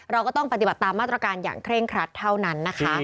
เราก็ต้องปฏิบัติตามมาตรการอย่างเคร่งครัดเท่านั้นนะคะ